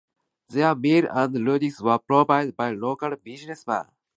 Their meals and lodgings were provided by local businessmen.